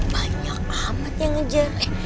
banyak amat yang ngejar